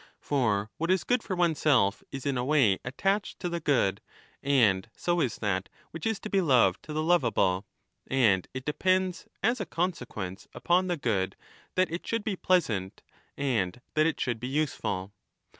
5 For what is good for oneself is in a way attached to the good, and so is that which is to be loved to the lovable, and it depends as a consequence upon the good that it should be pleasant and that it should be useful.